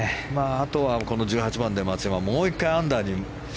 あとは、この１８番で松山、もう１回アンダーに。